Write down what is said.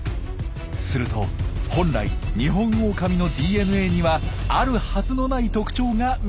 すると本来ニホンオオカミのＤＮＡにはあるはずのない特徴が見つかったのです。